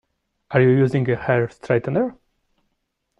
Are you using a hair straightener?